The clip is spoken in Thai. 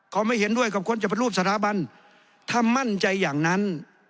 เขาไม่เห็นด้วยกับคนจะเป็นรูปสถาบันถ้ามั่นใจอย่างนั้น